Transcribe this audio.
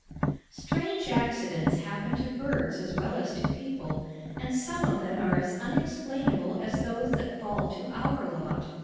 Strange accidents happen to birds as well as to people, and some of them are as unexplainable as those that fall to our lot.